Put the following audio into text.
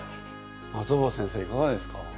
松尾葉先生いかがですか？